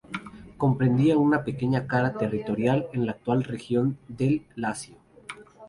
Comprendía una pequeña cara territorial en la actual región del Lacio.